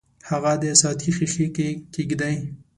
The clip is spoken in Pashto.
هغه د ساعتي ښيښې کې کیږدئ.